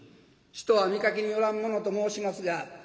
人は見かけによらんものと申しますが。